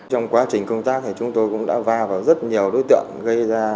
trong quá trình công tác thì chúng tôi cũng đã vào vào rất nhiều đối tượng